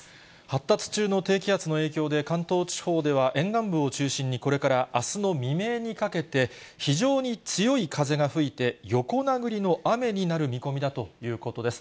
発達中の低気圧の影響で、関東地方では沿岸部を中心にこれからあすの未明にかけて、非常に強い風が吹いて、横殴りの雨になる見込みだということです。